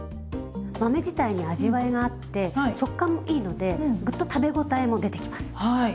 豆自体に味わいがあって食感もいいのでグッと食べ応えも出てきます。